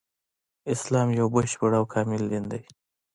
اسلام يو بشپړ او کامل دين دی